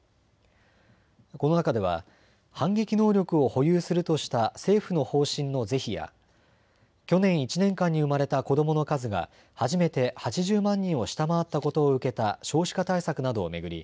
この中では反撃能力を保有するとした政府の方針の是非や去年１年間に生まれた子どもの数が初めて８０万人を下回ったことを受けた少子化対策などを巡り